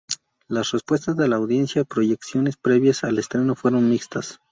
Las respuestas de la audiencia a proyecciones previas al estreno fueron mixtas.